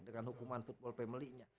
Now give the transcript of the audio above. dengan hukuman football family nya